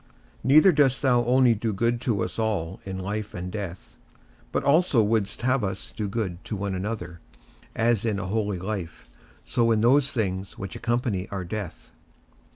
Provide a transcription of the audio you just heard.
Neither dost thou only do good to us all in life and death, but also wouldst have us do good to one another, as in a holy life, so in those things which accompany our death.